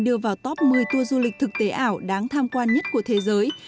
đưa vào top một mươi tour du lịch thực tế ảo đáng tham quan nhất của thế giới